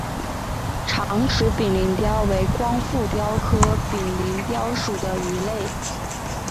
长齿柄鳞鲷为光腹鲷科柄鳞鲷属的鱼类。